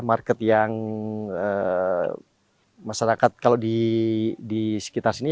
market yang masyarakat kalau di sekitar sini